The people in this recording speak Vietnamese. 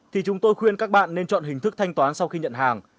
thì chúng tôi khuyên các bạn nên chọn hình thức thanh toán sau khi nhận hàng